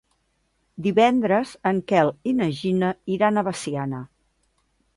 Divendres en Quel i na Gina iran a Veciana.